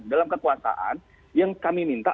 dalam kekuasaan yang kami minta